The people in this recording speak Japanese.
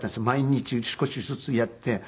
毎日少しずつやって。